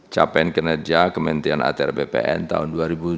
capaian kinerja kementerian atr bpn tahun dua ribu dua puluh tiga